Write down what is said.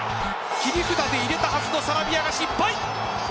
切り札で入れたはずのサラビアが失敗。